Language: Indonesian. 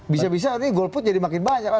bisa bisa nanti golput jadi makin banyak